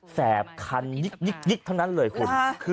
แสบคันยิ๊กเท่านั้นเลยคุณ